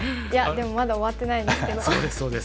いやでもまだ終わってないんですけど。